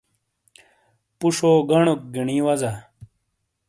پُشو گَنوک گِینی وَزا۔